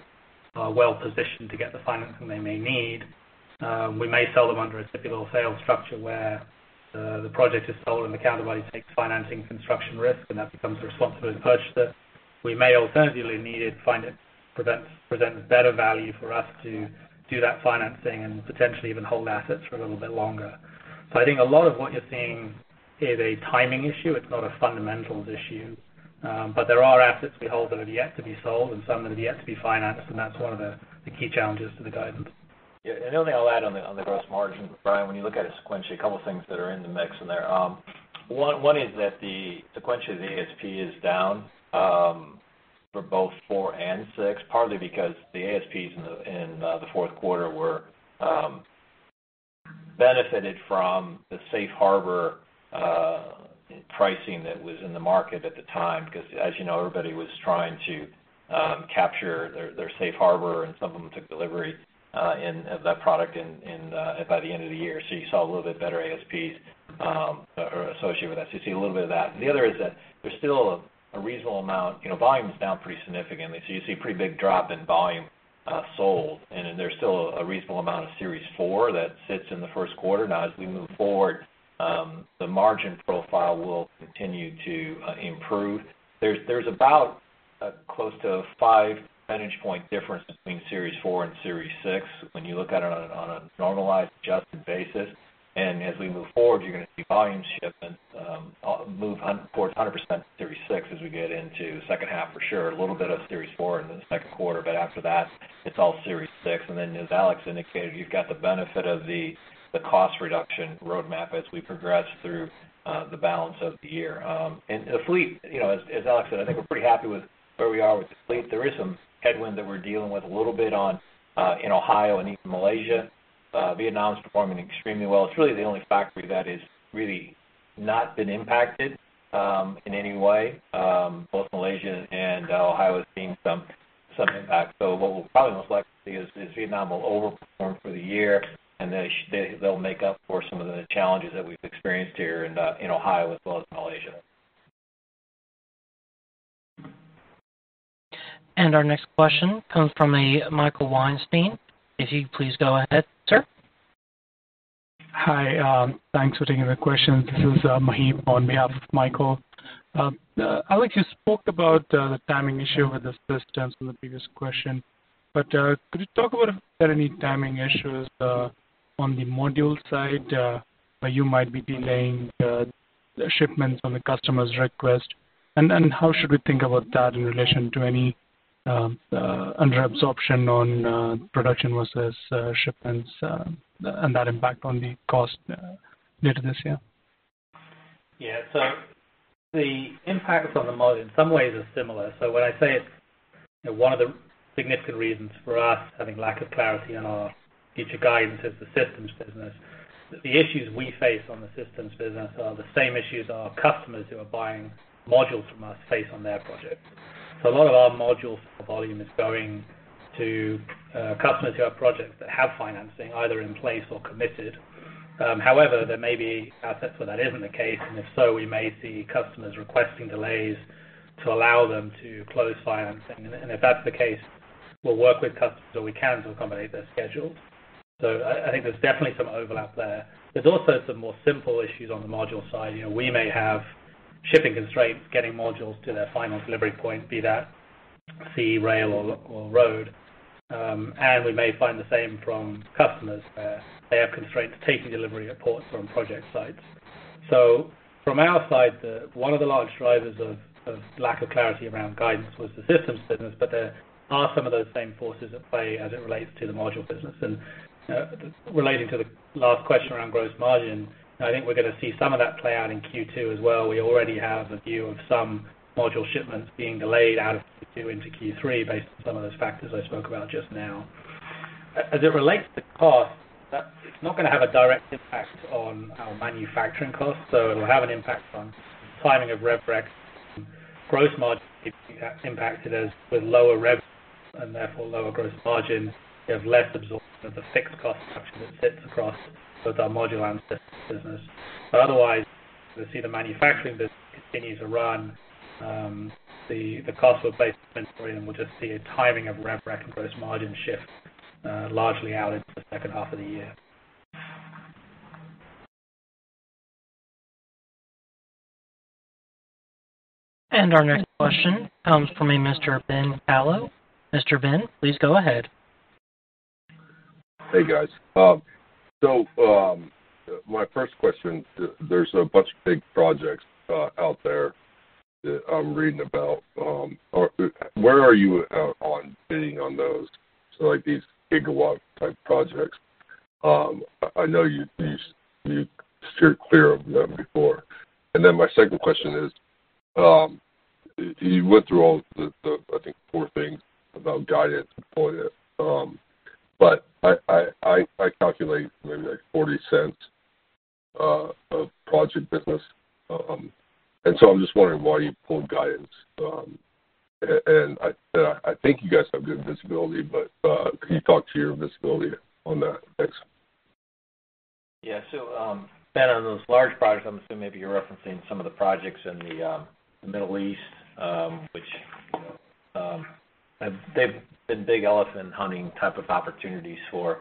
are well-positioned to get the financing they may need. We may sell them under a typical sale structure where the project is sold, and the counterparty takes financing construction risk, and that becomes the responsibility of the purchaser. We may alternatively find it presents better value for us to do that financing and potentially even hold assets for a little bit longer. I think a lot of what you're seeing is a timing issue. It's not a fundamentals issue. There are assets we hold that are yet to be sold and some that are yet to be financed, and that's one of the key challenges to the guidance. Yeah. The only thing I'll add on the gross margin, Brian, when you look at it sequentially, a couple of things that are in the mix in there. One is that the sequential ASP is down for both Series 4 and Series 6, partly because the ASPs in the fourth quarter benefited from the safe harbor pricing that was in the market at the time. As you know, everybody was trying to capture their safe harbor, and some of them took delivery of that product by the end of the year. You saw a little bit better ASPs associated with that. You see a little bit of that. The other is that there's still a reasonable amount. Volume is down pretty significantly. You see a pretty big drop in volume sold, and then there's still a reasonable amount of Series 4 that sits in the first quarter. As we move forward, the margin profile will continue to improve. There's about close to a 5 percentage point difference between Series 4 and Series 6 when you look at it on a normalized, adjusted basis. As we move forward, you're going to see volume move towards 100% Series 6 as we get into the second half for sure. A little bit of Series 4 in the second quarter, but after that, it's all Series 6. As Alex indicated, you've got the benefit of the cost reduction roadmap as we progress through the balance of the year. The fleet, as Alex said, I think we're pretty happy with where we are with the fleet. There is some headwind that we're dealing with a little bit in Ohio and East Malaysia. Vietnam is performing extremely well. It's really the only factory that has really not been impacted in any way. Both Malaysia and Ohio are seeing some impact. What we'll probably most likely see is Vietnam will over-perform for the year, and they'll make up for some of the challenges that we've experienced here in Ohio as well as Malaysia. Our next question comes from a Michael Weinstein. If you'd please go ahead, sir. Hi. Thanks for taking the question. This is Maheep on behalf of Michael. Alex, you spoke about the timing issue with the systems in the previous question. Could you talk about if there are any timing issues on the module side where you might be delaying the shipments on the customer's request, and how should we think about that in relation to any under absorption on production versus shipments and that impact on the cost later this year? Yeah. The impacts on the module in some ways are similar. When I say it's one of the significant reasons for us having lack of clarity on our future guidance is the systems business. The issues we face on the systems business are the same issues our customers who are buying modules from us face on their projects. A lot of our module volume is going to customers who have projects that have financing either in place or committed. However, there may be assets where that isn't the case, and if so, we may see customers requesting delays to allow them to close financing. If that's the case, we'll work with customers where we can to accommodate their schedules. I think there's definitely some overlap there. There's also some more simple issues on the module side. We may have shipping constraints getting modules to their final delivery point, be that sea, rail, or road. We may find the same from customers where they have constraints taking delivery at ports or on project sites. From our side, one of the large drivers of lack of clarity around guidance was the systems business, but there are some of those same forces at play as it relates to the module business. Relating to the last question around gross margin, I think we're going to see some of that play out in Q2 as well. We already have a view of some module shipments being delayed out of Q2 into Q3 based on some of those factors I spoke about just now. As it relates to cost, it's not going to have a direct impact on our manufacturing costs. It will have an impact on timing of rev rec. Gross margin could be impacted as with lower revenues and therefore lower gross margins, you have less absorption of the fixed cost structure that sits across both our module and systems business. But otherwise, we see the manufacturing business continue to run. The costs were based on inventory, and we'll just see a timing of rev rec and gross margin shift largely out into the second half of the year. Our next question comes from a Mr. Ben Kallo. Mr. Ben, please go ahead. Hey, guys. My first question, there's a bunch of big projects out there that I'm reading about. Where are you at on bidding on those? Like these gigawatt-type projects. I know you steered clear of them before. My second question is, you went through all the, I think, four things about guidance before yet, I calculate maybe like $0.40 of project business. I'm just wondering why you pulled guidance. I think you guys have good visibility, but can you talk to your visibility on that? Thanks. Yeah. Ben, on those large projects, I'm assuming maybe you're referencing some of the projects in the Middle East, which have been big elephant-hunting type of opportunities for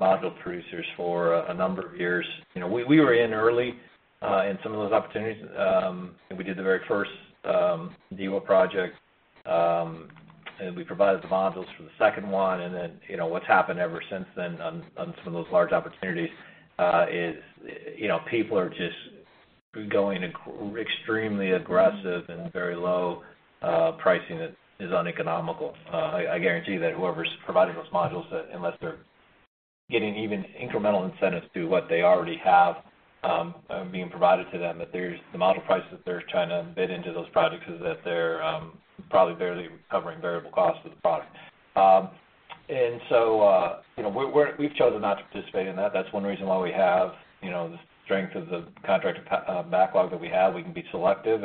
module producers for a number of years. We were in early in some of those opportunities. We did the very first DEWA project, and we provided the modules for the second one, and then, what's happened ever since then on some of those large opportunities is, people are just going extremely aggressive and very low pricing that is uneconomical. I guarantee that whoever's providing those modules, unless they're getting even incremental incentives to what they already have being provided to them, that the module prices they're trying to bid into those projects is that they're probably barely covering variable costs of the product. We've chosen not to participate in that. That's one reason why we have the strength of the contracted backlog that we have. We can be selective,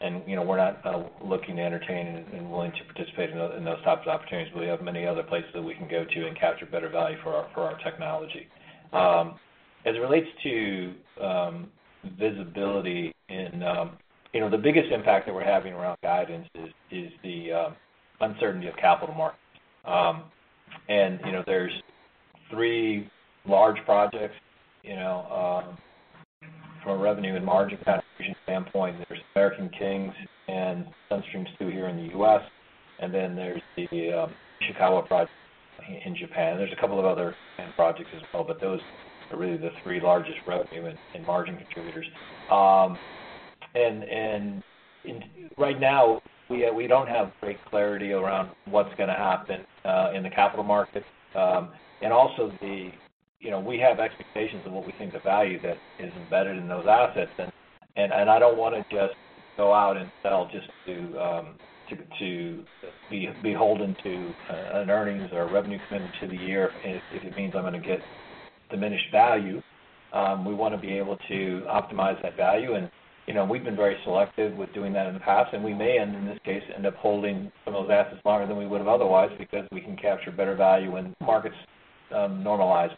we're not looking to entertain and willing to participate in those types of opportunities, but we have many other places that we can go to and capture better value for our technology. The biggest impact that we're having around guidance is the uncertainty of capital markets. There's three large projects, from a revenue and margin contribution standpoint, there's American Kings and Sun Streams 2 here in the U.S., then there's the Ishikawa project in Japan. There's a couple of other Japan projects as well, those are really the three largest revenue and margin contributors. Right now, we don't have great clarity around what's going to happen in the capital markets. Also, we have expectations of what we think the value that is embedded in those assets, and I don't want to just go out and sell just to be beholden to an earnings or revenue commitment to the year if it means I'm going to get diminished value. We want to be able to optimize that value, and we've been very selective with doing that in the past, and we may, in this case, end up holding some of those assets longer than we would have otherwise because we can capture better value when markets normalize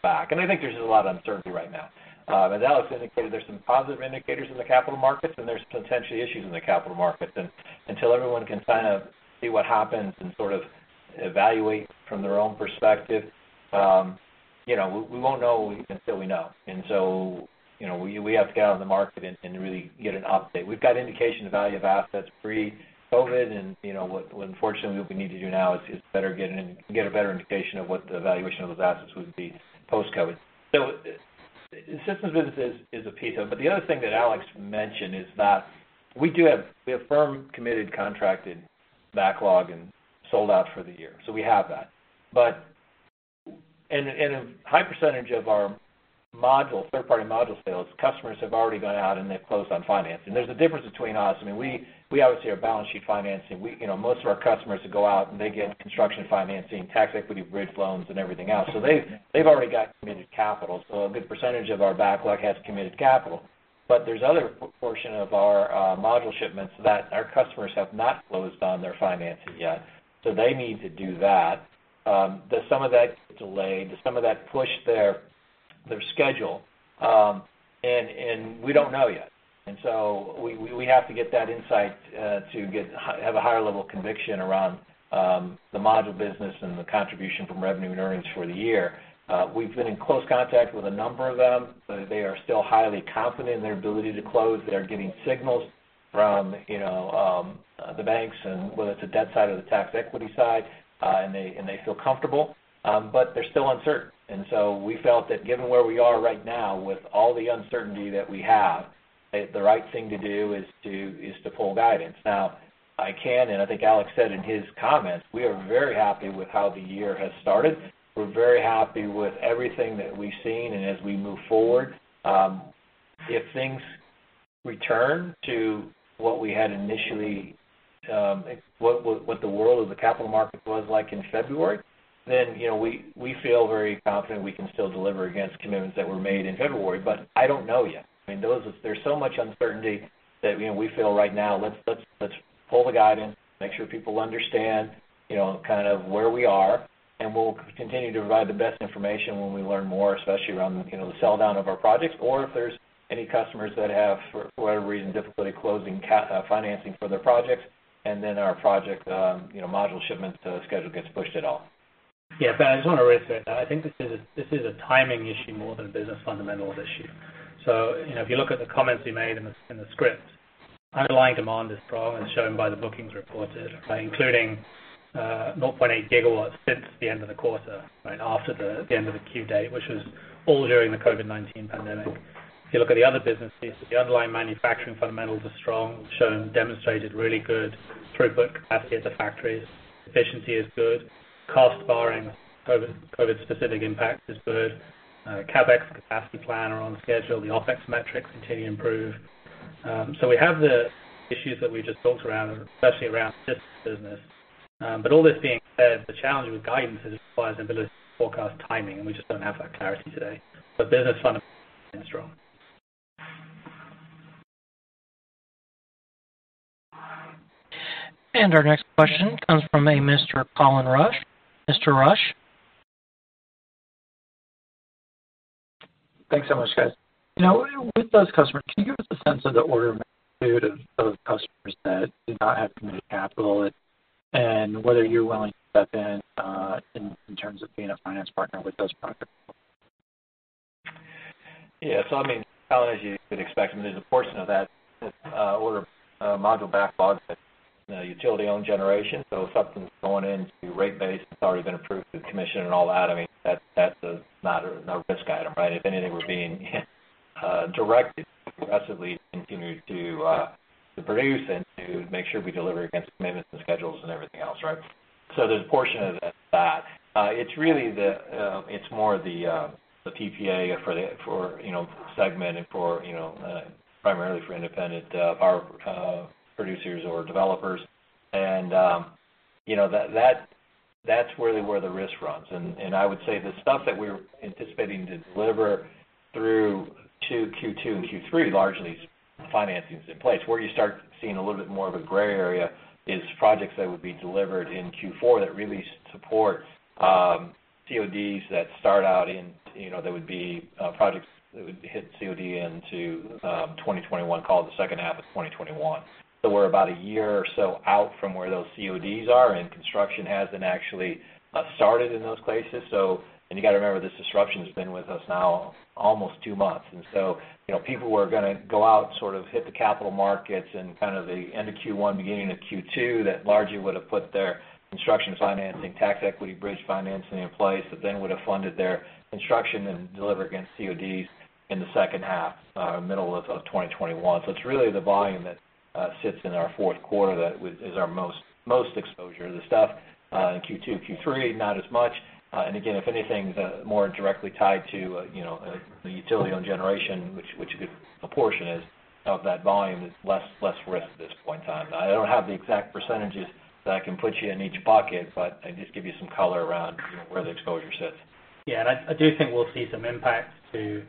back. I think there's a lot of uncertainty right now. As Alex indicated, there's some positive indicators in the capital markets, and there's potentially issues in the capital markets, and until everyone can kind of see what happens and sort of evaluate from their own perspective, we won't know until we know. We have to get out in the market and really get an update. We've got an indication of value of assets pre-COVID-19, and unfortunately, what we need to do now is get a better indication of what the valuation of those assets would be post-COVID-19. The systems business is a piece of it. The other thing that Alex mentioned is that we have firm committed contracted backlog and sold out for the year, so we have that. A high percentage of our third-party module sales, customers have already gone out, and they've closed on financing. There's a difference between us. We obviously are balance sheet financing. Most of our customers go out, and they get construction financing, tax equity, bridge loans, and everything else. They've already got committed capital. A good percentage of our backlog has committed capital. There's other portion of our module shipments that our customers have not closed on their financing yet. They need to do that. Some of that gets delayed. Some of that pushed their schedule, and we don't know yet. We have to get that insight to have a higher level of conviction around the module business and the contribution from revenue and earnings for the year. We've been in close contact with a number of them. They are still highly confident in their ability to close. They're getting signals from the banks, and whether it's the debt side or the tax equity side, and they feel comfortable. They're still uncertain. We felt that given where we are right now with all the uncertainty that we have, the right thing to do is to pull guidance. Now, I can, and I think Alex said in his comments, we are very happy with how the year has started. We're very happy with everything that we've seen, and as we move forward, if things return to what we had initially, what the world of the capital market was like in February, then we feel very confident we can still deliver against commitments that were made in February, but I don't know yet. There's so much uncertainty that we feel right now, let's pull the guidance, make sure people understand where we are, and we'll continue to provide the best information when we learn more, especially around the sell-down of our projects, or if there's any customers that have, for whatever reason, difficulty closing financing for their projects, and then our project module shipments schedule gets pushed at all. Ben, I just want to reiterate that I think this is a timing issue more than a business fundamentals issue. If you look at the comments we made in the script, underlying demand is strong as shown by the bookings reported, including 0.8 GW since the end of the quarter, after the end of the Q date, which was all during the COVID-19 pandemic. If you look at the other businesses, the underlying manufacturing fundamentals are strong, demonstrated really good throughput capacity at the factories. Efficiency is good. Cost, barring COVID-specific impacts, is good. CapEx capacity plan are on schedule. The OpEx metrics continue to improve. We have the issues that we just talked around, especially around the systems business. All this being said, the challenge with guidance is, requires the ability to forecast timing, and we just don't have that clarity today. Business fundamentals remain strong. Our next question comes from a Mr. Colin Rusch. Mr. Rusch? Thanks so much, guys. With those customers, can you give us a sense of the order of magnitude of customers that did not have committed capital and whether you're willing to step in terms of being a finance partner with those projects? Yeah. Colin, as you could expect, I mean, there's a portion of that order of module backlog that's utility-owned generation. If something's going into rate base that's already been approved through the commission and all that, I mean, that's not a risk item, right? If anything, we're being directed aggressively to continue to produce and to make sure we deliver against commitments and schedules and everything else, right? There's a portion of that. It's more the PPA segment primarily for independent power producers or developers. That's really where the risk runs. I would say the stuff that we're anticipating to deliver through to Q2 and Q3, largely is financings in place. Where you start seeing a little bit more of a gray area is projects that would be delivered in Q4 that really support CODs that start out in. That would be projects that would hit COD into 2021, call it the second half of 2021. We're about a year or so out from where those CODs are, and construction hasn't actually started in those places. You got to remember, this disruption's been with us now almost two months. People who are going to go out, hit the capital markets in kind of the end of Q1, beginning of Q2, that largely would have put their construction financing, tax equity bridge financing in place that then would have funded their construction and deliver against CODs in the second half, middle of 2021. It's really the volume that sits in our fourth quarter that is our most exposure. The stuff in Q2, Q3, not as much. Again, if anything, more directly tied to the utility-owned generation, which a good portion is of that volume, is less risk at this point in time. I don't have the exact percentages that I can put you in each bucket, but I can just give you some color around where the exposure sits. Yeah, I do think we'll see some impacts to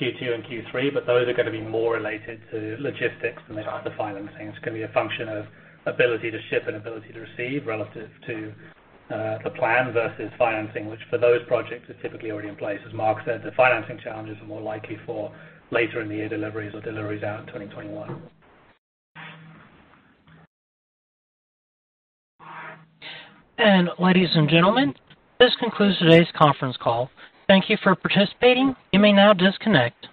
Q2 and Q3, but those are going to be more related to logistics than they are to financing. It's going to be a function of ability to ship and ability to receive relative to the plan versus financing, which for those projects, is typically already in place. As Mark said, the financing challenges are more likely for later in the year deliveries or deliveries out in 2021. Ladies and gentlemen, this concludes today's conference call. Thank you for participating. You may now disconnect.